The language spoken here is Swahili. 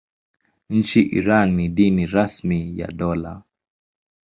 Nchini Iran ni dini rasmi ya dola.